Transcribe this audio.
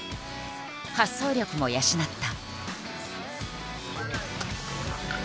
発想力も養った。